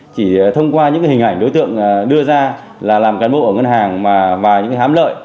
chỉ thông qua những hình ảnh đối tượng đưa ra là làm cán bộ ở ngân hàng mà những hám lợi